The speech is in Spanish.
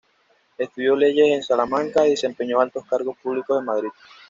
Estudió leyes en Salamanca y desempeñó altos cargos públicos en Madrid.